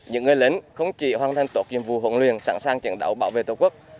những người lính không chỉ hoàn thành tốt nhiệm vụ hỗn luyện sẵn sàng chiến đấu bảo vệ tổ quốc